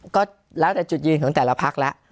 ก็แล้วแต่จุดยืนของแต่ละพักแล้ว